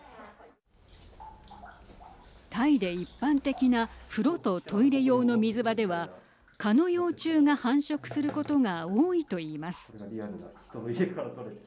タイで一般的な風呂とトイレ用の水場では蚊の幼虫が繁殖することが多いと言います。